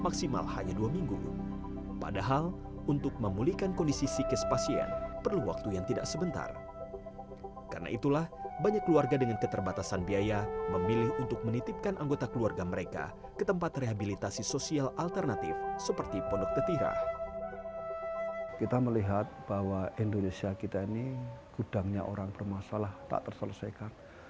kita melihat bahwa indonesia kita ini gudangnya orang bermasalah tak terselesaikan